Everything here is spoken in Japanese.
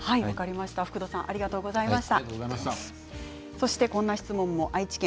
福土さんありがとうございました。